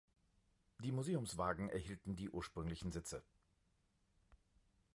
Die Museumswagen erhielten die ursprünglichen Sitze.